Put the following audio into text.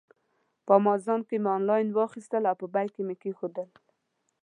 په امازان کې مې آنلاین واخیستل او په بیک کې مې کېښودل.